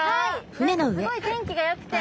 何かすごい天気がよくて。